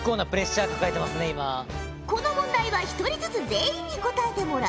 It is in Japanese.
この問題は１人ずつ全員に答えてもらう。